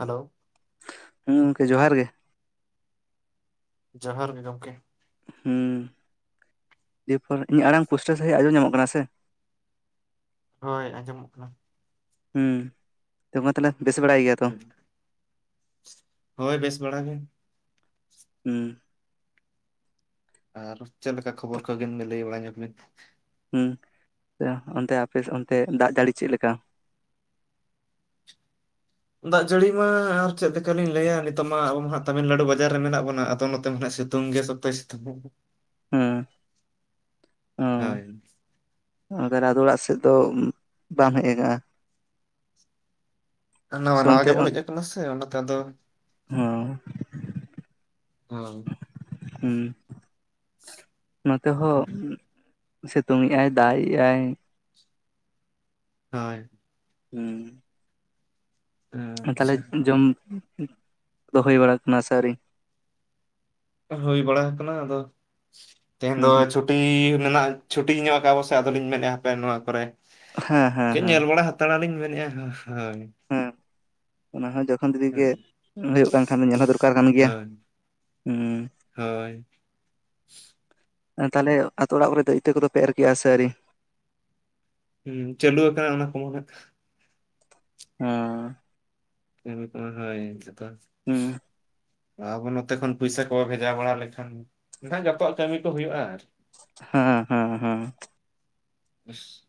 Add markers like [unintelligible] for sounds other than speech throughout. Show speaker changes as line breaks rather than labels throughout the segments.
Hello.
ᱦᱩᱸ ᱜᱚᱝᱠᱮ ᱡᱚᱦᱟᱨ ᱜᱮ,
ᱡᱚᱦᱟᱨ ᱜᱮ ᱜᱚᱝᱠᱮ,
ᱦᱩᱸ, [unintelligible] ᱤᱧ ᱟᱲᱟᱝ ᱯᱩᱥᱴᱟᱹ ᱥᱟᱺᱦᱤᱡ ᱟᱡᱸᱚᱢ ᱧᱟᱢᱚᱜ ᱠᱟᱱᱟ ᱥᱮ᱾
ᱦᱳᱭ ᱟᱸᱡᱚᱢᱚᱜ ᱠᱟᱱᱟ᱾
ᱦᱩᱸ ᱛᱚ ᱵᱮ ᱛᱟᱦᱞᱮ ᱵᱮᱥ ᱵᱟᱲᱟᱭ ᱜᱮᱭᱟ, ᱛᱚ
ᱦᱳᱭ ᱵᱮᱥ ᱵᱟᱲᱟ ᱜᱮ᱾
ᱦᱩᱸ,
ᱟᱨ ᱪᱮᱫ ᱞᱮᱠᱟ ᱠᱷᱚᱵᱚᱨ ᱠᱚᱜᱤᱱ ᱞᱟᱹᱭ ᱵᱟᱲᱟ ᱧᱚᱜ ᱵᱤᱱ?
ᱦᱩᱸ ᱚᱱᱛᱮ ᱟᱯᱮ ᱚᱱᱛᱮ ᱫᱟᱜᱽ ᱡᱟᱹᱲᱤ ᱪᱮᱫ ᱞᱮᱠᱟ?
ᱫᱟᱜᱽ ᱡᱟᱹᱲᱤ ᱢᱟ ᱟᱨ ᱪᱮᱫ ᱞᱮᱠᱟᱞᱤᱧ ᱞᱟᱹᱭᱟ ᱱᱤᱛᱚᱜ ᱢᱟ ᱟᱵᱚ ᱢᱟ ᱦᱟᱸᱜ ᱛᱟᱢᱤᱞᱱᱟᱹᱲᱩ ᱵᱟᱡᱟᱨ ᱨᱮ ᱢᱮᱱᱟᱜ ᱵᱚᱱᱟ ᱟᱫᱚ ᱱᱚᱛᱮ ᱢᱟ ᱥᱤᱛᱩᱝ ᱜᱮ, ᱥᱚᱠᱛᱚ ᱥᱤᱛᱩᱝ,
ᱦᱩᱸ, ᱚ
ᱦᱳᱭ,
ᱛᱟᱦᱚᱞᱮ ᱟᱫᱚ ᱚᱲᱟᱜ ᱥᱮᱫ ᱫᱚ ᱵᱟᱢ ᱦᱮᱜ ᱠᱟᱜᱼᱟ᱾
ᱱᱟᱣᱟ
ᱥᱮ
ᱱᱟᱣᱟ
ᱚᱱᱛᱮ
ᱜᱮᱵᱚ ᱦᱮᱜ ᱠᱟᱱᱟ ᱥᱮ ᱚᱱᱟᱛᱮ ᱟᱫᱚ,
ᱦᱚ,
ᱦᱳᱭ,
ᱦᱩᱸ ᱱᱚᱛᱮ ᱦᱚᱸ ᱥᱤᱛᱩᱝ ᱮᱜ ᱟᱭ ᱫᱟᱜᱮᱜ ᱼᱟᱭ
ᱦᱳᱭ,
ᱦᱩᱸ, ᱛᱟᱦᱞᱮ
ᱟᱪᱪᱷᱟ
ᱡᱚᱢ ᱫᱚ ᱦᱳᱭ ᱵᱟᱲᱟ ᱠᱟᱱᱟ ᱥᱮ ᱟᱣᱹᱨᱤ,
ᱦᱩᱭ ᱵᱟᱲᱟ ᱟᱠᱟᱱᱟ ᱟᱫᱚ ᱛᱮᱦᱮᱧ
ᱦᱩᱸ
ᱫᱚ
ᱦᱩᱸ
ᱪᱷᱩᱴ ᱴᱤ ᱢᱮᱱᱟᱜ ᱪᱷᱩᱴᱤ ᱧᱚᱜ ᱠᱟᱜᱼᱟ ᱠᱚ ᱥᱮ ᱟᱫᱚᱞᱤᱧ ᱢᱮᱱᱮᱫ ᱦᱟᱯᱮ ᱱᱚᱣᱟ ᱠᱚᱨᱮ
ᱦᱮᱸ ᱦᱮᱸ
ᱠᱮ
ᱦᱮᱸ
ᱧᱮᱞ ᱵᱟᱲᱟ, ᱛᱟᱲᱟ ᱞᱤᱧ ᱢᱮᱱᱮᱜᱼᱟ ᱦᱳᱭ ᱦᱳᱭ᱾
ᱦᱮᱸ ᱚᱱᱟ ᱦᱚᱸᱡᱚᱠᱷᱚᱱ ᱡᱩᱫᱤ ᱜᱮ ᱦᱩᱭᱩᱜ ᱠᱟᱱ ᱠᱷᱟᱱ ᱫᱚ ᱧᱮᱞ ᱦᱚᱸ ᱫᱚᱨᱠᱟᱨ ᱠᱟᱱ ᱜᱮᱭᱟ᱾
ᱦᱳᱭ
ᱦᱩᱸ,
ᱦᱳᱭ,
ᱛᱟᱦᱚᱞᱮ ᱟᱛᱳ ᱚᱲᱟᱜ ᱠᱚᱨᱮ ᱫᱚ ᱤᱛᱟᱹ ᱠᱚᱫᱚ ᱯᱮ ᱮᱨ ᱠᱮᱜᱼᱟ ᱟᱹᱨᱤ?
ᱦᱩᱸ ᱪᱟᱹᱞᱩ ᱟᱠᱟᱱᱟ ᱚᱱᱟ ᱠᱚ ᱢᱟ ᱦᱟᱸᱜ᱾
ᱦᱚᱸ
ᱧᱮᱞ ᱦᱩᱭᱩᱜ ᱠᱟᱱᱟ ᱦᱚᱭ ᱱᱤᱛᱚᱜ ᱫᱚ,
ᱦᱩᱸ,
ᱟᱵᱚ ᱱᱚᱛᱮ ᱠᱷᱚᱱ ᱯᱩᱭᱥᱟ ᱠᱚ ᱵᱷᱮᱡᱟ ᱵᱟᱲᱟ ᱞᱮᱠᱷᱟᱱ, ᱢᱮᱱᱠᱷᱟᱱ ᱡᱚᱛᱚᱣᱟᱜ ᱠᱟᱹᱢᱤ ᱠᱚ ᱦᱩᱭᱩᱜᱼᱟ᱾
ᱦᱚᱸ ᱦᱚᱸ ᱦᱚᱸ᱾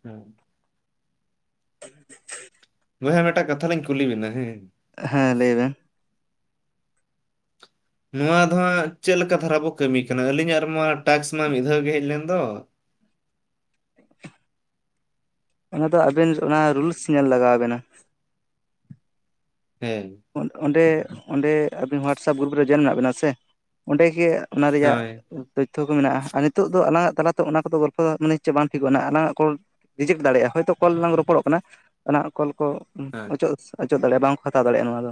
ᱦᱩᱸ
[inaudible]
ᱵᱳᱭᱦᱟ ᱢᱤᱫᱴᱟᱜ ᱠᱟᱛᱷᱟᱞᱤᱧ ᱠᱩᱞᱤ ᱵᱤᱱᱟ ᱦᱮᱸ?
ᱦᱮᱸ ᱞᱟᱹᱭ ᱵᱮᱱ᱾
ᱱᱚᱣᱟ ᱫᱚ ᱦᱟᱸᱜ ᱪᱮᱫ ᱞᱮᱠᱟ ᱫᱷᱟᱨᱟ ᱵᱚ ᱠᱟᱹᱢᱤ ᱠᱟᱱᱟ ᱟᱹᱞᱤᱧᱟᱜ ᱨᱮᱢᱟ ᱴᱟᱠᱥ ᱢᱟ ᱢᱤᱫ ᱫᱷᱟᱣ ᱜᱮ ᱦᱮᱜ ᱞᱮᱱ ᱫᱚ,
ᱚᱱᱟ ᱫᱚ ᱟᱵᱮᱱ ᱚᱱᱟ ᱨᱩᱞᱥ ᱧᱮᱞ ᱞᱟᱜᱟᱣ ᱵᱮᱱᱟ᱾
ᱦᱮᱸ,
ᱚᱸᱰᱮ ᱚᱸᱰᱮ ᱟᱵᱤᱱ ᱦᱳᱣᱟᱴᱥᱟᱯ ᱜᱨᱩᱯ ᱨᱮ ᱡᱚᱭᱮᱱ ᱢᱮᱱᱟᱜ ᱵᱤᱱᱟ ᱥᱮ ᱚᱸᱰᱮ ᱜᱮ, ᱚᱱᱟ ᱨᱤᱭᱟᱜ,
ᱦᱳᱭ
ᱛᱚᱛᱛᱷᱚ ᱠᱚ ᱢᱤᱱᱟᱜᱼᱟ ᱾ ᱟᱨ ᱱᱤᱛᱚᱜ ᱫᱚ ᱟᱞᱟᱝᱟ-ᱜ ᱛᱟᱞᱟᱛᱮ ᱚᱱᱟ ᱠᱚᱼᱫᱚ ᱜᱚᱞᱯᱚ ᱫᱚ᱾ ᱢᱟᱱᱮ ᱦᱚᱪᱪᱷᱮ ᱵᱟᱝ ᱴᱷᱤᱠᱚᱜᱼᱟ᱾ ᱟᱞᱟᱝᱟ-ᱜ ᱨᱤᱡᱮᱠᱴ ᱫᱟᱲᱮᱭᱟᱜᱼᱟ᱾ ᱦᱳᱭᱛᱳ ᱠᱚᱞ ᱞᱟᱝ ᱨᱚᱯᱚᱲᱚ-ᱜ ᱠᱟᱱᱟ᱾ ᱚᱱᱟ ᱠᱚᱞ ᱠᱚ
ᱦᱳᱭ
ᱚᱪᱚᱜ - ᱚᱪᱚᱜ ᱫᱟᱲᱮᱭᱟᱜᱼᱟ ᱾ ᱵᱟᱝᱠᱚ ᱦᱟᱛᱟᱣ ᱫᱟᱲᱮᱭᱟᱜᱼᱟ᱾ ᱱᱚᱣᱟ ᱫᱚ᱾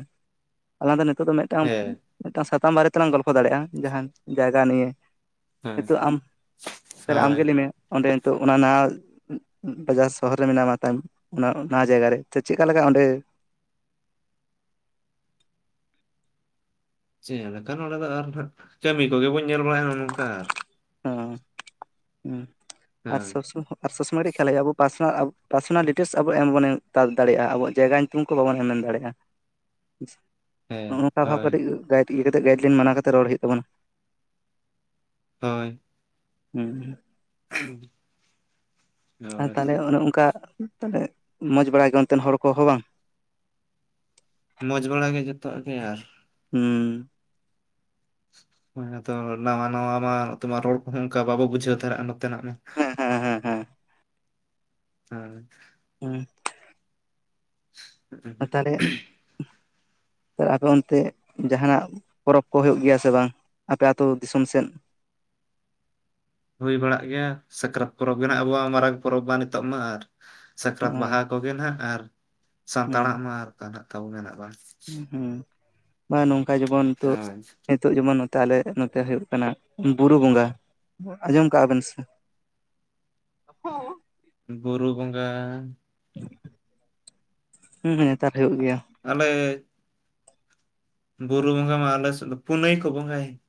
ᱟᱞᱟᱝ ᱫᱚ ᱱᱤᱛᱚᱜ ᱫᱚ ᱢᱤᱫᱴᱟᱝ
ᱦᱮᱸ
ᱢᱮᱫᱴᱟᱝ ᱥᱟᱛᱟᱢ ᱵᱟᱨᱮ ᱛᱮᱞᱟᱝ, ᱜᱚᱞᱯᱷᱚ ᱫᱟᱲᱮᱭᱟᱜᱼᱟ᱾ ᱡᱟᱦᱟᱱ ᱡᱟᱭ-ᱜᱟ ᱱᱤᱭᱮ
ᱦᱳᱭ
ᱱᱤᱛᱚᱜ ᱟᱢ ᱾ ᱟᱢ
ᱦᱳᱭ
ᱜᱮ ᱞᱟᱹᱭ ᱢᱮ᱾ ᱚᱸᱰᱮ ᱱᱤᱛᱚᱜ ᱚᱱᱟ ᱱᱟ ᱵᱟᱡᱟᱨ ᱥᱚᱦᱚᱨ ᱨᱮ ᱢᱮᱱᱟᱢᱟ᱾ ᱛᱟᱭ ᱚᱱᱟ - ᱚᱱᱟ ᱡᱟᱭᱜᱟ ᱨᱮ᱾ ᱛᱚ ᱪᱮᱫᱠᱟ ᱞᱮᱠᱟ ᱚᱸᱰᱮ
ᱪᱮᱫ ᱞᱮᱠᱟ, ᱱᱚᱸᱰᱮ ᱫᱚ ᱟᱨ ᱦᱚ ᱱᱟᱜ᱾ ᱠᱟᱹᱢᱤ ᱠᱚ-ᱜᱮ ᱵᱚᱱ ᱧᱮᱞ ᱵᱟᱲᱟᱭᱟᱼᱟ᱾ ᱱᱚᱜᱼᱚ ᱱᱚᱝᱠᱟ ᱨ
ᱚᱸ ᱾ᱦᱩᱸ ᱻᱟᱨ
ᱦᱳᱭ
ᱥᱚᱵ- ᱥᱚᱢ ᱟᱨ ᱥᱚᱵ ᱥᱚᱢᱚᱭ ᱠᱟᱹᱴᱤᱡ ᱠᱷᱮᱭᱟᱞ ᱦᱳᱭᱳᱜᱼᱟ᱾ ᱟᱵᱚ ᱯᱟᱥᱚᱱᱟ ᱟᱵᱳ ᱯᱟᱨᱥᱚᱱᱟᱞ ᱰᱤᱴᱮᱞᱥ ᱟᱵᱚ, ᱮᱢ ᱦᱚᱵᱚᱱ ᱮᱢ ᱫᱟᱲᱮᱭᱟᱜᱼᱟ ᱾ ᱟᱵᱚᱣᱟ-ᱜ ᱡᱟᱭᱜᱟ᱾ ᱧᱩᱛᱩᱢ ᱠᱚ ᱾ᱵᱟᱵᱚᱱ ᱮᱢ ᱮᱢ ᱫᱟᱲᱮᱭᱟᱜᱼᱟ᱾
ᱦᱮᱸ
ᱱᱚᱜᱼᱚ ᱱᱚᱝᱠᱟ ᱾ ᱵᱷᱟᱵᱽ
ᱦᱳᱭ
ᱠᱟᱹᱴᱤᱡ ᱜᱟᱭᱤᱸᱰ ᱞᱤ ᱠᱟᱛᱮᱜ ᱜᱟᱭᱤᱰ ᱞᱤᱱ ᱢᱟᱱᱟ ᱾ᱠᱟᱛᱮ ᱨᱚᱲ ᱦᱳᱭᱳ-ᱜ ᱛᱟᱵᱚᱱᱟ᱾
ᱦᱳᱭ᱾
ᱦᱩᱸ᱾
[unintelligible]
ᱟᱨ ᱛᱟᱦᱚᱞᱮ, ᱚᱱᱮ ᱚᱱᱠᱟ ᱛᱟᱱᱦᱮ ᱢᱚᱸᱡᱽ ᱵᱟᱲᱟ ᱜᱮ᱾ ᱚᱱᱛᱮᱱ ᱦᱚᱲ ᱠᱚ-ᱦᱚᱸ ᱵᱟᱝ
ᱢᱚᱸᱡᱽ ᱵᱟᱲᱟ ᱜᱮ, ᱡᱚᱛᱚᱣᱟ-ᱜ ᱜᱮ ᱟᱨ ᱾
ᱦᱩᱸ
ᱦ ᱛᱚ ᱱᱟᱣᱟᱻᱱᱟᱣᱟ ᱢᱟᱢ ᱨᱚᱲ ᱠᱚ-ᱦᱚᱸ ᱢᱟ ᱚᱱᱠᱟ ᱵᱟᱵᱚ ᱵᱩᱡᱷᱟᱹᱣ ᱫᱟᱲᱮᱭᱟᱜᱼᱟ᱾ ᱱᱚᱛᱮᱱᱟᱜ ᱢᱟ ᱾
ᱦᱮᱸ ᱦᱮᱸ ᱦᱮᱸ
ᱦᱮᱸ [unintelligible]
ᱦᱮᱸ [unintelligible] ᱛᱟᱦᱚᱞᱮ ᱛᱟᱦ ᱟᱯᱮ ᱚᱱᱛᱮ ᱡᱟᱦᱟᱱᱟ-ᱜ [inaudible] ᱯᱚᱨᱚᱵᱽ ᱠᱚ ᱦᱩᱭᱩᱜ ᱜᱮᱭᱟ ᱥᱮ ᱵᱟᱝ᱾ ᱟᱯᱮ ᱟᱹᱛᱩ ᱫᱤᱥᱚᱢ ᱥᱮᱫ?
ᱦᱩᱭ ᱵᱟᱲᱟᱜ ᱜᱮᱭᱟ᱾ ᱥᱟᱠᱨᱟᱛ ᱯᱚᱨᱚᱵᱽ ᱜᱮᱟᱸᱜ ᱟᱵᱚᱣᱟ-ᱜ ᱢᱟᱨᱟᱝ ᱯᱚᱨᱚᱵᱽ ᱢᱟ᱾ ᱱᱤᱛᱚᱜ ᱢᱟ ᱟᱨ ᱥᱟᱠᱨᱟᱛ ᱵᱟᱦᱟ ᱠᱚᱜᱮ ᱱᱟᱦᱜ, ᱟᱨ ᱥᱟᱱᱛᱟᱲᱟᱜ ᱢᱟ᱾ ᱟᱨᱠᱟᱱᱟᱜ ᱛᱟᱵᱚ ᱢᱮ ᱵᱟᱝ?
ᱦᱮᱸ ᱵᱟ ᱱᱚᱝᱠᱟ ᱡᱮᱢᱚᱱ [inaudible]
ᱦᱚᱸᱭ [unintelligible]
ᱱᱤᱛᱚᱜ ᱡᱮᱢᱚᱱ ᱱᱚᱛᱮ ᱟᱞᱮ ᱱᱚᱛᱮ ᱦᱩᱭᱩᱜ ᱠᱟᱱᱟ ᱾ ᱵᱩᱨᱩ ᱵᱚᱸᱜᱟ ᱟᱸᱡᱚᱢ ᱠᱟᱜᱼᱟ᱾ ᱵᱮᱱ ᱥᱮ? ᱦ [unintelligible]
ᱵᱩᱨᱩ ᱵᱚᱸᱜᱟ
ᱦᱩᱸᱸ ᱱᱮᱛᱟᱨ ᱦᱩᱭᱩᱜ ᱜᱮᱭᱟ᱾
ᱟᱞᱮ ᱵᱩᱨᱩᱨᱩ ᱵᱚᱝᱜᱟ ᱢᱟ ᱟᱞᱮ ᱥᱮᱫ᱾ ᱯᱩᱱᱟᱹᱭ ᱠᱚ ᱵᱚᱸᱜᱟ ᱭᱟ ᱾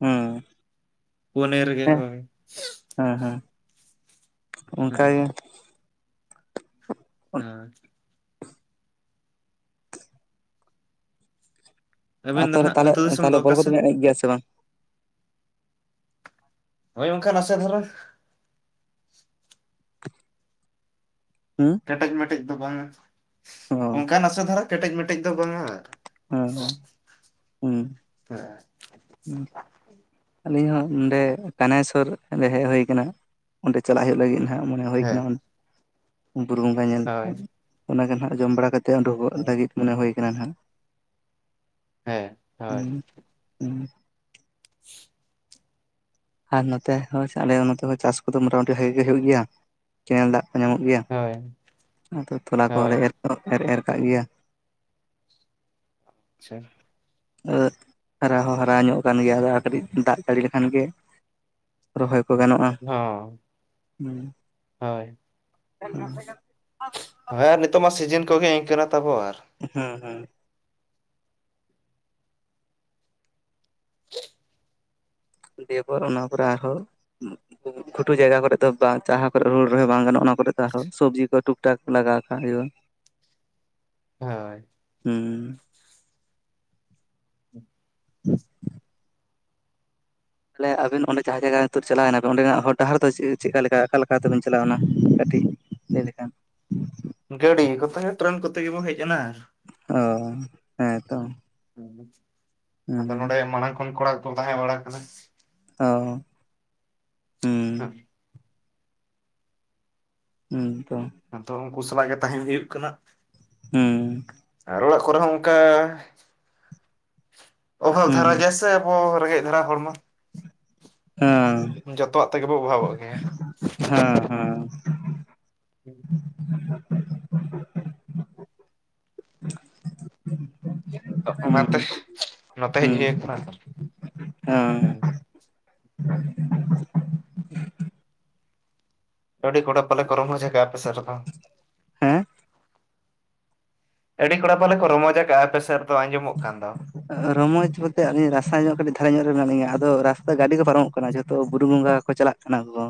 ᱦᱩᱸ
ᱯᱚᱱᱮᱨ ᱨᱮ ᱜᱮ ᱦᱳᱭ᱾
ᱦᱩᱸᱻᱦᱩᱸ
ᱦᱮᱸ
ᱚᱱᱠᱟᱜᱮ
ᱦᱮᱸ [unintelligible]
ᱟᱨ
ᱟᱹᱵᱤᱱ ᱫᱚ
ᱛᱚᱵᱮ
ᱱᱟᱦᱟᱜ
ᱛᱟᱦᱚᱞᱮ
ᱟᱹᱛᱩ ᱫᱤᱥᱚᱢ ᱫᱚ
ᱛᱟᱦᱚᱞᱮᱚᱞ
ᱚᱠᱟ
ᱠᱚ-ᱫᱚ
ᱥᱮᱫ?
ᱚᱵᱮᱱ ᱮᱱᱮᱡ ᱜᱮᱭᱟ ᱥᱮ ᱵᱟᱝ? [inaudible]
ᱱᱚᱜᱼᱚᱭ ᱵᱟᱝᱠᱷᱟᱱ ᱱᱟᱥᱮ ᱫᱷᱟᱨᱚᱬᱟ᱾ [inaudible]
ᱦᱮᱸ [unintelligible]
ᱠᱮᱴᱮᱡᱼᱢᱮᱴᱮᱡ ᱫᱚ ᱵᱟᱝᱟ ᱾ ᱚᱱᱠᱟᱱ ᱟᱥᱟ ᱫᱷᱟᱨᱟ ᱠᱮᱴᱮᱡᱼᱢᱮᱴᱮᱡ ᱫᱚ ᱵᱟᱝᱼᱟ᱾
ᱦᱮᱸ, ᱦᱮᱸ, ᱦᱮᱸ [unintelligible]
ᱦᱮᱸ [unintelligible]
ᱦᱩᱸ [unintelligible] ᱟᱹᱞᱤᱧ ᱦᱚᱸ ᱱᱚᱸᱰᱮ ᱠᱟᱹᱱᱦᱟᱹᱭᱥᱚᱨ ᱾ ᱨᱮ ᱦᱮᱡ ᱦᱩᱭ ᱟᱠᱟᱱᱟ ᱾ ᱚᱸᱰᱮ ᱪᱟᱞᱟᱜ ᱦᱩᱭᱩᱜ ᱞᱟᱹᱜᱤᱫ ᱱᱟᱦᱟᱜ᱾ ᱢᱚᱱᱮ ᱦᱩᱭ
ᱦᱮᱸ
ᱠᱟᱱᱟ ᱵᱩᱨᱩ ᱵᱚᱸᱜᱟ ᱧᱮᱞ᱾
ᱦᱳᱭ
ᱚᱱᱟᱜᱮ ᱟᱜ ᱡᱚᱢ ᱵᱟᱲᱟ ᱠᱟᱛᱮ ᱩᱰᱩᱠᱚᱜ ᱞᱟᱹᱜᱤᱫ ᱢᱚᱱᱮ ᱦᱩᱭ ᱠᱟᱱᱟ ᱱᱟᱜ᱾
ᱦᱮᱸ ᱦᱳᱭ
[inaudible]
[inaudible]
ᱟᱨ ᱱᱚᱛᱮ ᱦᱚᱸ ᱟᱞᱮ ᱱᱚᱛᱮ ᱦᱚᱸ ᱪᱟᱥ ᱠᱚᱫᱚ ᱢᱚᱴᱟ ᱢᱩᱴᱤ ᱵᱷᱟᱜᱮ ᱜᱮ ᱦᱩᱭᱩᱜ ᱜᱮᱭᱟ ᱾ ᱠᱮᱱᱮᱞ ᱫᱟᱜ ᱧᱟᱢᱚᱜ ᱜᱮᱭᱟ,
ᱦᱳᱭ
ᱟᱫᱚ ᱛᱚᱞᱟ ᱠᱚᱦᱚᱸ ᱞᱮ
ᱦᱳᱭ
ᱮᱨ ᱠᱚ ᱮᱨ ᱮᱨ ᱠᱟᱜ ᱜᱮᱭᱟ᱾
ᱟᱪᱪᱷᱟ᱾
ᱟᱫᱚ ᱦᱟᱨᱟ ᱦᱚᱸ ᱦᱟᱨᱟ ᱧᱚᱜ ᱟᱠᱟᱱ ᱜᱮᱭᱟ, ᱟᱨ ᱠᱟᱹᱴᱤᱡ ᱫᱟᱜ ᱡᱟᱹᱲᱤ ᱞᱮᱠᱷᱟᱱ ᱜᱮ ᱨᱚᱦᱚᱭ ᱠᱚ ᱜᱟᱱᱚᱜᱼᱟ᱾
ᱦᱚᱸ ᱦᱳᱭ᱾
[unintelligible]
ᱦᱮᱸ ᱟᱨ ᱱᱤᱛᱚᱜ ᱢᱟ ᱥᱤᱡᱤᱱ ᱠᱚᱜᱮ ᱤᱝᱠᱟᱹᱱᱟ ᱛᱟᱵᱚ ᱟᱨ
ᱦᱚᱸ ᱦᱚᱸ
[inaudible]
ᱫᱮᱵᱚᱨ ᱚᱱᱟ ᱯᱚᱨᱮ ᱟᱨᱦᱚᱸ [unintelligible] ᱠᱷᱷᱩᱴᱩ ᱡᱟᱭᱜᱟ ᱠᱚᱨᱮ ᱫᱚ ᱡᱟᱦᱟᱸᱟ ᱠᱚᱨᱮ ᱨᱩᱲ ᱜᱷᱩᱴᱩ ᱡᱟᱭᱜᱟ ᱠᱚᱨᱮ ᱫᱚ ᱵᱟᱝ ᱡᱟᱸᱦᱟ ᱠᱚᱨᱮ ᱦᱳᱲᱳ ᱨᱚᱦᱚᱭ ᱵᱟᱝ ᱜᱟᱱᱚᱜ ᱚᱱᱟ ᱠᱚᱨᱮ ᱫᱚ ᱟᱨᱦᱚᱸ ᱥᱚᱵᱽᱡᱤ ᱠᱚ ᱴᱩᱠ ᱴᱟᱠ ᱞᱟᱜᱟᱣ ᱠᱟᱜ ᱦᱩᱭᱩᱜᱼᱟ᱾ [inaudible] [inaudible]
ᱦᱳᱭ
ᱦᱮᱸ [inaudible] ᱛᱟᱦᱚᱞᱮ ᱟᱵᱤᱱ ᱚᱸᱰᱮ ᱡᱟᱦᱟᱸ ᱡᱟᱭᱜᱟ [unintelligible] ᱪᱟᱞᱟᱣᱮᱱᱟ ᱵᱤᱱ ᱚᱸᱰᱮᱱᱟᱜ ᱦᱚᱨ ᱰᱟᱦᱟᱨ ᱫᱚ ᱪᱮᱫᱠᱟ ᱞᱮᱠᱟ, ᱚᱠᱟᱞ ᱞᱮᱠᱟ ᱛᱮᱵᱤᱱ ᱪᱟᱞᱟᱣ ᱮᱱᱟ, ᱠᱟᱹᱴᱤᱡ ᱞᱟ. ᱭ ᱞᱮᱠᱷᱟᱱ᱾
ᱜᱟᱹᱰᱤ ᱠᱚᱛᱮ, ᱴᱨᱮᱱ ᱠᱚᱛᱮ ᱜᱮᱵᱚ ᱦᱮᱡ ᱮᱱᱟ᱾
ᱚ, ᱦᱮᱸ ᱛᱚ᱾
ᱟᱫᱚ ᱱᱚᱰᱮ
ᱦᱩᱸ
ᱢᱟᱲᱟᱝ ᱠᱷᱚᱱ ᱠᱚᱲᱟ ᱠᱚᱠᱚ ᱛᱟᱦᱮᱸ ᱵᱟᱲᱟ ᱠᱟᱱᱟ᱾
ᱚᱻ
ᱦᱮᱸ
ᱤᱧ ᱛᱚ
ᱟᱫᱚ ᱩᱱᱠᱩ ᱥᱟᱞᱟᱜ ᱜᱮ ᱛᱟᱦᱮᱱ ᱦᱩᱭᱩᱜ ᱠᱟᱱᱟ᱾
ᱦᱩᱸ
ᱟᱨ ᱚᱲᱟᱜ ᱠᱚᱨᱮ ᱦᱚᱸ ᱚᱱᱠᱟ ᱚᱵᱷᱟᱵᱽ
ᱦᱩᱸ
ᱫᱷᱟᱨᱟ ᱜᱮᱭᱟ ᱥᱮ ᱟᱵᱚ, ᱨᱮᱸᱜᱮᱡ ᱫᱷᱟᱨᱟ ᱦᱚᱲᱢᱚ,
ᱦᱮᱸ
ᱡᱚᱛᱚᱣᱟᱜ ᱛᱮᱜᱮ ᱵᱚ ᱚᱵᱷᱟᱵᱚᱜ ᱜᱮᱭᱟ
ᱦᱮᱸ ᱦᱮᱸ
[inaudible] [unintelligible] ᱚᱱᱟᱛᱮ,
ᱦᱩᱸ
ᱱᱚᱛᱮ ᱦᱮᱡ
ᱦᱩᱸ
ᱦᱩᱭᱟ ᱠᱟᱱᱟ ᱾
ᱦᱮᱸ
[inaudible] ᱟᱹᱰᱤ ᱠᱚᱰᱟ ᱯᱟᱞᱮ ᱠᱚ ᱨᱚᱢᱚᱡ ᱟᱠᱟ ᱟᱯᱮ ᱥᱮ ᱨᱮ ᱦᱚᱸ᱾
ᱦᱮᱸ
ᱟᱹᱰᱤ ᱠᱚᱲᱟ ᱯᱟᱞᱮ ᱠᱚ ᱨᱚᱢᱚᱡᱟ ᱠᱟᱜᱼᱟ ᱟᱯᱮᱥ ᱨᱮ ᱫᱚ ᱟᱸᱡᱚᱢᱚᱜ ᱠᱟᱱ ᱫᱚ᱾
ᱨᱚᱢᱚᱡᱽ ᱵᱚᱞᱛᱮ ᱟᱹᱞᱤᱧ ᱨᱟᱥᱛᱟ ᱧᱚᱜ ᱠᱟᱹᱴᱤᱡ ᱧᱚᱜ ᱨᱮ ᱫᱷᱟᱨᱟ ᱧᱚᱜ ᱢᱮᱱᱟᱜ ᱞᱤᱧᱟ, ᱟᱫᱚ ᱨᱟᱥᱛᱟ ᱜᱟᱹᱰᱤ ᱠᱚ ᱯᱟᱨᱚᱢᱚᱜ ᱠᱟᱱᱟ ᱾ᱡᱷᱚᱛᱚ ᱵᱩᱨᱩ ᱵᱚᱸᱜᱟ ᱠᱚ ᱪᱟᱞᱟᱜ ᱚᱱᱟ ᱠᱚ,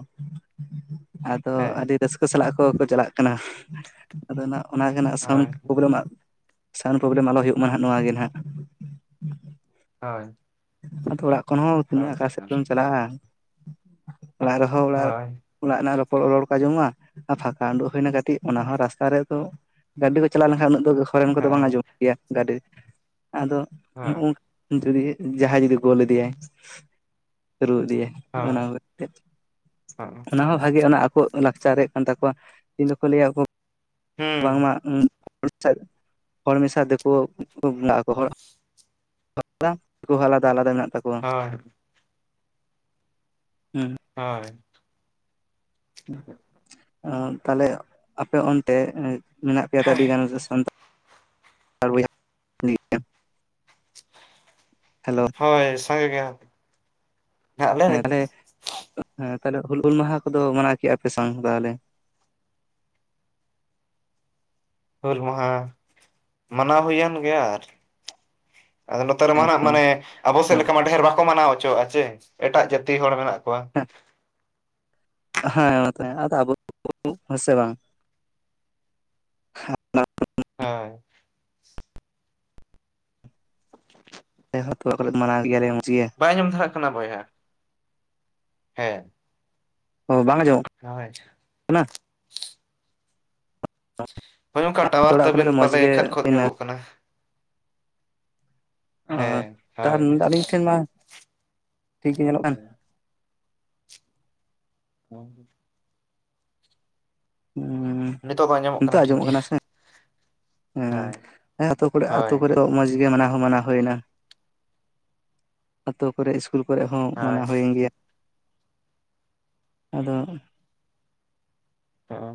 ᱟᱫᱚ
ᱦᱮᱸ
ᱟᱹᱰᱤ ᱨᱟᱹᱥᱠᱟᱹ ᱥᱟᱞᱟᱜ ᱠᱚᱠᱚ ᱪᱟᱞᱟᱜ ᱠᱟᱱᱟ᱾ ᱟᱫᱚ ᱱᱟᱜ ᱚᱱᱟ ᱜᱮ ᱱᱟᱜ ᱥᱟᱣᱩᱱᱰ
ᱦᱳᱭ
ᱯᱨᱚᱵᱞᱮᱢ, ᱥᱟᱣᱩᱱᱰ ᱯᱨᱚᱵᱽᱞᱮᱢ ᱟᱞᱳ ᱦᱩᱭᱩᱜᱢᱟ ᱦᱟᱜ ᱱᱚᱣᱟ ᱜᱮ ᱾ ᱦᱮᱸ
ᱦᱳᱭ
ᱟᱫᱚ ᱚᱲᱟᱜ ᱠᱷᱚᱱ ᱦᱚᱸ ᱛᱤᱱᱟᱹᱜ
ᱦᱳᱭ
ᱟᱸᱠᱟ ᱥᱮᱫ
ᱦᱚᱸ
ᱫᱚᱢ ᱪᱟᱞᱟᱜᱼᱟ, ᱚᱲᱟᱜ ᱨᱮ [unintelligible] ᱚᱲᱟᱜ
ᱦᱳᱭ
ᱨᱮᱱᱟᱜ ᱨᱚᱯᱚᱲ ᱨᱚᱲ ᱠᱚᱸ ᱡᱚᱢᱚᱜᱼᱟ, ᱟᱨ ᱯᱷᱟᱸᱠᱟ ᱩᱰᱩᱜ ᱦᱩᱭᱱᱟ ᱠᱟᱹᱴᱤᱡ, ᱚᱱᱟ ᱦᱚᱸ ᱨᱟᱥᱛᱟ ᱨᱮᱫᱚ ᱜᱟᱹᱰᱤ ᱠᱚ ᱪᱟᱞᱟᱣ ᱞᱮᱱᱠᱷᱟᱱ ᱩᱱᱟᱹᱜ ᱫᱚ ᱦᱚᱨᱮᱱ ᱠᱚᱫᱚ ᱵᱟᱝ
ᱦᱳᱭ
ᱟᱸᱚᱢ ᱜᱮᱭᱟ ᱜᱟᱹᱰᱤ ᱟᱫᱚ ᱱᱚᱜᱼᱚ
ᱦᱩᱸ
ᱡᱩᱫᱤ ᱡᱟᱦᱟᱸᱭ ᱡᱩᱫᱤ ᱜᱳᱞ ᱤᱫᱤᱭᱟᱭ, ᱨᱩ ᱤᱫᱤᱭᱟᱭ ᱚᱱᱟ, ᱚᱱᱟ ᱦᱚ ᱵᱷᱟᱜᱮ ᱚᱱᱟ ᱟᱠᱚᱣᱟᱜ ᱞᱟᱠᱪᱟᱨ ᱨᱮᱭᱟᱜ ᱠᱟᱱ ᱛᱟᱠᱚᱣᱟ, ᱤᱧ ᱫᱚᱠᱚ ᱞᱟᱹᱭᱟ ᱵᱟᱝᱢᱟ
ᱦᱳᱭ
ᱦᱚᱲ ᱢᱮᱥᱟ ᱛᱮᱠᱚ ᱵᱚᱸ ᱟᱠᱚ ᱦᱚᱲ᱾ ᱟᱞᱟ ᱟᱞᱟᱫᱟ- ᱟᱞᱟᱫᱟ ᱢᱮᱱᱟᱜ ᱠᱚᱣᱟ
ᱦᱚᱭ
ᱦᱩᱸ
ᱦᱳᱭ᱾
ᱛᱟᱦᱞᱮ, ᱟᱯᱮ ᱚᱱᱛᱮ ᱢᱮᱱᱟᱜ ᱯᱮᱭᱟ ᱟᱹᱰᱤ ᱜᱟᱱ ᱥᱟᱱ ᱛᱟᱲ ᱵᱚᱭᱦᱟ ᱦᱮᱞᱳ
ᱦᱳᱭ ᱥᱚᱭ ᱜᱮᱭᱟ ᱾
ᱦᱮᱸ ᱛᱟᱦᱞᱮ -ᱦᱮᱸ ᱛᱟᱦᱞᱮ ᱦᱩᱞ -ᱢᱟᱦᱟ ᱠᱚᱫᱚ ᱢᱟᱱᱟᱣ ᱠᱮᱫ ᱼᱟᱯᱮ ᱥᱟᱶ ᱛᱟᱦᱚᱞᱮ᱾
ᱦᱩᱞ ᱢᱟᱦᱟ, ᱢᱟᱱᱟᱣ ᱦᱩᱭᱮᱱ ᱜᱮᱭᱟ ᱟᱨ᱾ ᱟᱫᱚ ᱱᱚᱛᱮ
ᱦᱮᱸ
ᱨᱮᱢᱟᱜ
ᱛᱚ
ᱢᱟᱱᱮ, ᱟᱵᱚ ᱥᱮᱫ ᱞᱮᱠᱟ ᱢᱟ ᱰᱷᱮᱨ ᱵᱟᱠᱚ ᱢᱟᱱᱟᱣ ᱦᱚᱪᱚᱣᱟᱜᱼᱟ ᱪᱮ, ᱮᱴᱟᱜ ᱡᱟᱹᱛᱤ ᱦᱚᱲ ᱢᱮᱱᱟᱜ ᱠᱚᱣᱟ᱾
ᱦᱮᱸ᱾ ᱦᱮᱸ ᱢᱟᱛ ᱟᱫᱚ ᱟᱵᱚ ᱦᱮᱸ ᱥᱮ ᱵᱟᱝ᱾ ᱟᱞᱮ
ᱦᱮᱸ᱾ ᱵᱟᱝ ᱟᱸᱡᱚᱢ ᱴᱷᱤᱠᱟᱹᱜ ᱠᱟᱱᱟ
ᱦᱩᱞ ᱠᱚᱞᱮ ᱢᱟᱱᱟᱣ ᱜᱮᱭᱟᱞᱮ ᱢᱚᱡᱽ ᱜᱮᱭᱟ᱾
ᱵᱟᱭ ᱟᱱᱸᱡᱚᱢ ᱫᱷᱟᱨᱟ ᱠᱟᱱᱟ ᱵᱚᱭᱦᱟ᱾ ᱦᱮᱸ
ᱚ ᱵᱟᱝ ᱟᱸᱚᱢ
ᱦᱳᱭ᱾
ᱦᱟᱱᱟ
ᱦᱳᱭ ᱚᱱᱠᱟ
ᱛᱚ
ᱴᱟᱣᱟᱨ
ᱚᱲᱟᱜ ᱠᱚᱨᱮ
ᱛᱟᱵᱤᱱ
ᱫᱚ ᱢᱚᱸᱡᱽ
ᱯᱟᱞᱮ
ᱜᱮ
ᱠᱷᱟᱡ-ᱠᱷᱚᱡ
ᱦᱩᱭᱱᱟ
ᱧᱚᱜ-ᱚᱜ ᱠᱟᱱᱟ, ᱦᱮᱸ ᱦᱳᱭ
ᱟᱹᱞᱤᱧ ᱴᱷᱮᱱ ᱢᱟ ᱴᱷᱤᱠ ᱜᱮ ᱧᱮᱞᱚᱜ ᱠᱟᱱ᱾
ᱵᱟᱝ ᱟᱸᱡᱚᱢ ᱴᱷᱤᱠᱟᱹᱜ ᱠᱟᱱᱟ
ᱦᱮᱸᱻ
ᱱᱤᱛᱚᱜ ᱵᱟᱝ ᱟᱸᱡᱚᱢᱚᱜ ᱠᱟᱱᱟ ᱴᱷᱤᱠ ᱜᱮ,
ᱦᱮᱸ
ᱦᱳᱭ
ᱦᱮᱸ ᱟᱹᱛᱩ ᱠᱚᱨᱮ-ᱟᱹᱛᱩ
ᱦᱳᱭ
ᱠᱚᱨᱮ ᱦᱚ ᱢᱚᱡᱽ ᱜᱮ ᱢᱟᱱᱟᱣ ᱦᱚᱸ ᱢᱟᱱᱟᱣ ᱦᱩᱭᱱᱟ᱾ ᱟᱹᱛᱩ ᱠᱚᱨᱮ ᱤᱥᱠᱩᱞ ᱠᱚᱨᱮ ᱦᱚᱸ
ᱦᱳᱭ
ᱢᱟᱱᱟᱣ ᱦᱩᱭᱮᱱ ᱜᱮᱭᱟ ᱟᱫᱚ
ᱦᱚᱜ-ᱚ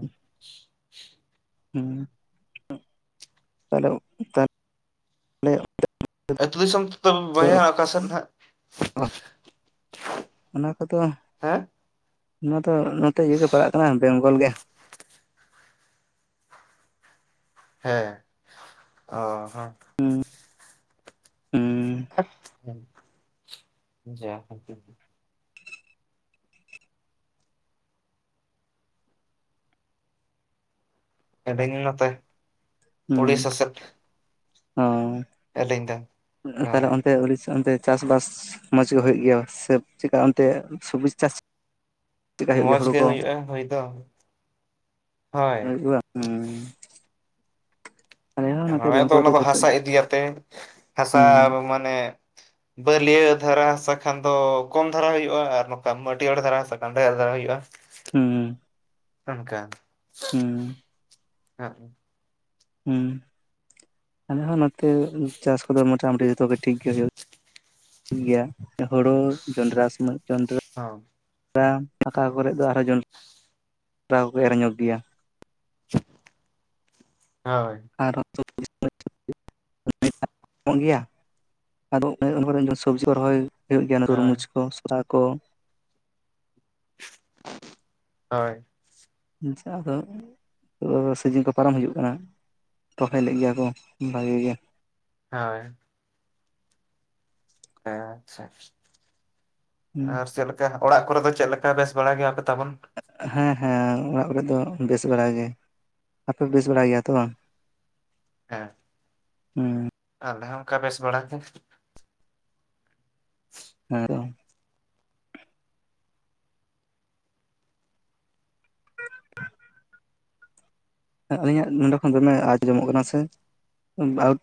ᱛᱟᱦᱚᱞᱮ
ᱟ. ᱛᱩ ᱫᱤᱥᱚᱢ ᱫᱚ ᱵᱚᱭᱦᱟ ᱚᱠᱟᱥᱮᱱ ᱦᱟᱜ?
ᱚᱱᱟ ᱠᱚᱫᱚ ᱚᱱᱟ ᱫᱚ ᱱᱚᱛᱮ ᱤᱭᱟᱹ ᱜᱮ ᱯᱟᱲᱟᱜ ᱠᱟᱱᱟ ᱵᱮᱝᱜᱚᱞ ᱜᱮ᱾
ᱦᱮᱸ ᱚᱸ ᱦᱚᱸ
ᱦᱮᱸ
ᱵᱟᱝ ᱟᱸᱡᱚᱢ ᱴᱷᱤᱠᱟᱹᱜ ᱠᱟᱱᱟ ᱮᱸᱰᱮᱜᱮ ᱱᱚᱛᱮ
ᱦᱮᱸ
ᱩᱲᱤᱥᱥᱟ ᱥᱮᱫ ᱟᱹᱞᱤᱧ ᱫᱚ
ᱦᱩᱸᱻ ᱛᱟᱦᱞᱮ
ᱦᱳᱭ
ᱚᱱᱛᱮ ᱩᱲᱤᱥᱥᱟ ᱚᱱᱛᱮ ᱪᱟᱥ ᱵᱟᱥ ᱢᱚᱸᱡᱽ ᱜᱮ ᱦᱩᱭᱩᱜ ᱜᱮᱭᱟ ᱥᱮ ᱪᱮᱠᱟ ᱚᱱᱛᱮ ᱥᱚᱵ ᱪᱟᱥ? ᱪᱮᱫᱠᱟ ᱦᱩᱭᱩᱜ ᱜᱮᱭᱟ
ᱢᱚᱸᱡᱽ
ᱦᱳᱲᱳ
ᱜᱮ
ᱠᱚ
ᱦᱩᱭᱩᱜᱼᱟ ᱦᱩᱭ ᱫᱚ ᱦᱳᱭ
ᱦᱩᱸᱻ
ᱦᱮᱸ
ᱱᱚᱛᱮ
ᱱᱚᱱᱰᱮᱫᱚ ᱫᱚ
ᱵᱮᱝᱜᱚᱞ
ᱚᱱᱟ
ᱨᱮ
ᱫᱚ
ᱡᱚᱛᱚ
ᱦᱟᱥᱟ ᱤᱫᱤᱭᱟᱛᱮ ᱦᱟᱥᱟ
ᱦᱩᱸ
ᱢᱟᱱᱮ ᱵᱟᱹᱞᱭᱟᱹ ᱫᱷᱟᱨᱟ ᱦᱟᱥᱟ ᱠᱷᱟᱱ ᱫᱚ ᱠᱚᱢ ᱫᱷᱟᱨᱟ ᱦᱩᱭᱩᱜᱼᱟ ᱟᱨ ᱱᱚᱝᱠᱟ ᱢᱟᱹᱴᱭᱟᱹᱲ ᱫᱷᱟᱨᱟ ᱦᱟᱥᱟ ᱠᱷᱟᱱ ᱰᱷᱮᱸᱨ ᱫᱷᱟᱨᱟ ᱦᱩᱭᱩᱜᱼᱟ᱾
ᱦᱩᱸ᱾
ᱚᱱᱠᱟ
ᱦᱮᱸ᱾
ᱦᱮᱸ᱾
ᱩ ᱟᱞᱮᱦᱚᱸ ᱱᱚᱛᱮ ᱪᱟᱥ ᱠᱚᱫᱚ ᱢᱳᱴᱟᱢᱩᱴᱤ ᱡᱚᱛᱚ ᱜᱮ ᱴᱷᱤᱠ ᱜᱮ ᱦᱩᱭᱩᱜᱼᱟ᱾ ᱴᱷᱤᱠ ᱜᱮᱭᱟ᱾ ᱦᱳᱲᱳ, ᱡᱚᱱᱰᱨᱟ, ᱥᱢᱚᱭ ᱡᱚᱱᱰᱨᱟ
ᱦᱚᱸ᱾
[unintelligible] ᱠᱚᱨᱮᱫ ᱫᱚ ᱟᱨᱦᱚ ᱡᱚᱱᱰᱨᱟ [unintelligible] ᱠᱚᱠᱚ ᱮᱨ ᱧᱚᱜ ᱜᱮᱭᱟ᱾
ᱦᱳᱭ᱾
ᱟᱨ ᱦᱚᱛᱚ [unintelligible] [unintelligible] ᱥᱚᱵᱽᱡᱤ ᱠᱚ ᱨᱚᱦᱚᱭ ᱦᱩᱭᱩᱜ ᱜᱮᱭᱟ᱾
ᱦᱳᱭ
ᱛᱩᱨᱢᱩᱡᱽ ᱠᱚ ᱥᱚᱥᱟ ᱠᱚ
ᱦᱳᱭ᱾
ᱡᱟ ᱫᱚ ᱥᱤᱡᱤᱱ ᱠᱚ ᱯᱟᱨᱚᱢ ᱦᱤᱡ ᱠᱟᱱᱟ ᱨᱚᱦᱚᱭ ᱞᱮᱫ ᱜᱮᱭᱟ ᱠᱚ ᱵᱷᱟᱹᱜᱤ ᱜᱮᱭᱟ᱾
ᱦᱳᱭ᱾ ᱟᱪᱪᱷᱟ ᱟᱨ ᱪᱮᱞ ᱡᱟ ᱚᱲᱟᱜ ᱠᱚᱨᱮ ᱫᱚ ᱪᱮᱫ ᱞᱮᱠᱟ ᱵᱮᱥ ᱵᱟᱲᱟ ᱜᱮᱭᱟ ᱯᱮ ᱛᱟᱵᱚᱱ?
ᱦᱮᱸ ᱦᱮᱸ, ᱚᱲᱟᱜ ᱨᱮ ᱫᱚ ᱵᱮᱥ ᱵᱟᱲᱟᱜ ᱜᱮ᱾ ᱟᱯᱮ ᱵᱮᱥ ᱵᱟᱲᱟᱭ ᱜᱮᱭᱟ ᱛᱚ ᱵᱟᱝ?
ᱦᱮᱸ᱾
ᱦᱮᱸ᱾
ᱟᱞᱮ ᱦᱚᱸ ᱚᱱᱠᱟ ᱵᱮᱥ ᱵᱟᱲᱟ ᱜᱮ᱾
ᱦᱮᱸ ᱛᱚ᱾ ᱟᱹᱞᱤᱧᱟᱜ ᱱᱚᱰᱮ ᱠᱷᱚᱱ ᱫᱚᱢᱮ ᱟᱸᱡᱚᱢᱚᱜ ᱠᱟᱱᱟ ᱥᱮ ᱵᱷᱟᱣᱩᱴ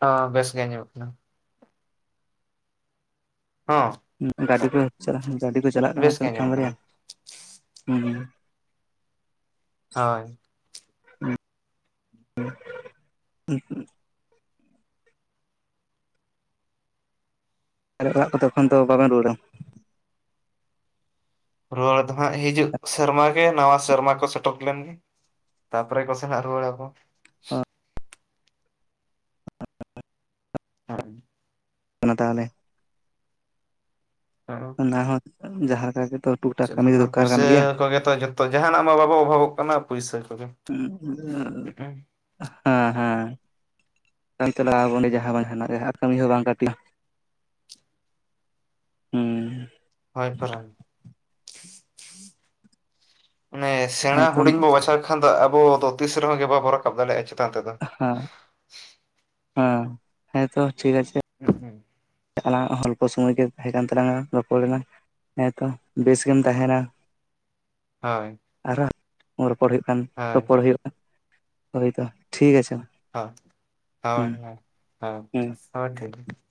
ᱦᱚᱸ ᱵᱮᱥ ᱜᱮ ᱟᱸᱡᱚᱢᱚᱜ ᱠᱟᱱᱟ᱾ ᱦᱚᱸ
ᱜᱟᱹᱰᱤ ᱠᱚ ᱪᱟᱞᱟᱜ ᱜᱟᱹᱰᱤ ᱠᱚ ᱪᱟᱞᱟᱜ
ᱵᱮᱥ
ᱠᱟᱱᱟ ᱛᱚ,
ᱜᱮ
ᱢᱤᱫᱴᱟᱝ
ᱟᱸᱡᱚᱢᱚᱜ ᱠᱟᱱᱟ
ᱵᱟᱨᱭᱟ ᱦᱮᱸ᱾
ᱦᱳᱭ᱾
[inaudible] ᱟᱨ ᱚᱲᱟᱜ ᱠᱚ ᱠᱟᱛᱮ ᱮᱠᱷᱚᱱ ᱫᱚ ᱵᱟᱵᱮᱱ ᱨᱩᱣᱟᱹᱲᱟ ᱛᱚ᱾
ᱨᱩᱣᱟᱹᱲ ᱫᱚ ᱦᱟᱸᱜ ᱦᱤᱡᱩᱜ ᱥᱮᱨᱢᱟ ᱜᱮ ᱱᱟᱣᱟ ᱥᱮᱨᱢᱟ ᱠᱚ ᱥᱮᱴᱮᱨ ᱞᱮᱱ ᱜᱮ ᱛᱟᱨᱯᱚᱨᱮ ᱠᱚᱥᱮᱱᱟ ᱨᱩᱣᱟᱲᱟ ᱵᱚᱱ ᱦᱮᱸ᱾
ᱚᱱᱟ ᱛᱟᱦᱚᱞᱮ
ᱦᱮᱸ᱾
ᱚᱱᱟ ᱦᱚᱸ ᱡᱟᱦᱟᱸ ᱞᱮᱠᱟ ᱜᱮ ᱛᱚ᱾
ᱪᱮᱫ ᱢᱟ ᱯᱩᱭᱥᱟᱹ ᱠᱚᱜᱮ ᱛᱚ? ᱡᱚᱛᱚ ᱡᱟᱦᱟᱱᱟᱜ ᱢᱟ ᱵᱟᱵᱚ ᱚᱵᱷᱟᱵᱚᱜ ᱠᱟᱱᱟ ᱯᱩᱭᱥᱟᱹ ᱠᱚᱜᱮ᱾
[unintelligible] ᱦᱮᱸ ᱦᱮᱸ, ᱤᱱᱠᱟᱹ ᱵᱟᱲᱟ ᱩᱱᱤ ᱡᱟᱦᱟᱸ ᱵᱟ ᱡᱟᱦᱟᱱᱟᱜ ᱜᱮᱦᱟᱸ ᱠᱟᱹᱢᱤ ᱦᱚᱸ ᱵᱟᱝ ᱠᱟᱹᱴᱤ, ᱦᱩᱸ᱾
ᱦᱳᱭ, ᱯᱷᱟᱨ ᱚᱱᱮ ᱥᱮᱬᱟ
ᱦᱮᱸ ᱛᱚ
ᱦᱩᱰᱤᱧ ᱵᱚ ᱵᱟᱪᱷᱟᱣ᱾ ᱵᱟᱠᱷᱟᱱ ᱫᱚ ᱟᱵᱚ ᱫᱚ ᱛᱤᱥ ᱨᱮᱦᱚᱸ ᱜᱮ ᱵᱟᱵᱚ ᱨᱟᱠᱟᱵ ᱫᱟᱲᱮᱭᱟᱜᱼᱟ᱾ ᱪᱮᱛᱟᱱ ᱛᱮᱫᱚ᱾
ᱦᱮᱸ ᱦᱮᱸ ᱦᱮᱸ ᱛᱚ, ᱴᱷᱤᱠ ᱟᱪᱷᱮ
[unintelligible]
ᱮᱱᱟᱝᱟ ᱚᱞᱯᱚ ᱥᱚᱢᱚᱭ ᱜᱮ, ᱛᱟᱦᱮᱸ ᱠᱟᱱ ᱛᱟᱞᱟᱝᱟ, ᱨᱚᱯᱚᱲ ᱮᱱᱟ ᱦᱮᱸ ᱛᱚ, ᱵᱮᱥ ᱜᱮᱢ ᱛᱟᱦᱮᱱᱟ ᱾ [inaudible]
ᱦᱳᱭ ᱾
ᱟᱨᱦᱚᱸ ᱨᱚᱯᱚᱲ ᱦᱩᱭᱩᱜ ᱠᱷᱟᱱ, ᱨᱚᱯᱚᱲ ᱦᱩᱭᱩᱜᱼᱟ ᱾ ᱦᱳᱭ ᱛᱚ, ᱴᱷᱤᱠ ᱟᱪᱷᱮ ᱾
ᱦᱚ, ᱦᱳᱭ, ᱦᱳᱭ, ᱦᱚᱭ
ᱦᱩᱸ
ᱦᱚᱦ ᱴᱷᱤᱠ ᱜᱮ ᱾